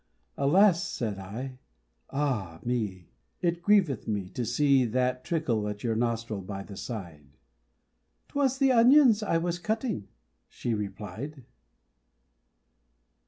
"Alas!" said I, "Ah! me, It grieveth me, to see That trickle, at your nostril, by the side." "'Twas the onions, I was cutting," she replied.